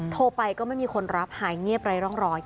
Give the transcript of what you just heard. โทรไปก็ไม่มีคนรับหายเงียบไร้ร่องรอย